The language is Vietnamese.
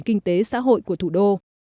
kinh tế xã hội của thủ đô